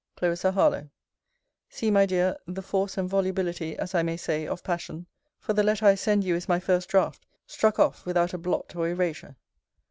CL. HARLOWE See, my dear, the force, and volubility, as I may say, of passion; for the letter I send you is my first draught, struck off without a blot or erasure.